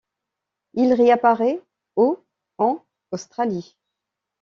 Il réapparaît au en Australie.